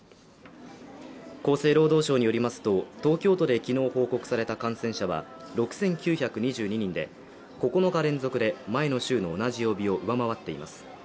厚生労働省によりますと、東京都で昨日報告された感染者は６９２２人で、９日連続で前の週の同じ曜日を上回っています。